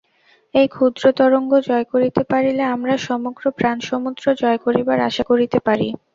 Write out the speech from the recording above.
এই ক্ষুদ্র তরঙ্গ জয় করিতে পারিলে আমরা সমগ্র প্রাণসমুদ্র জয় করিবার আশা করিতে পারি।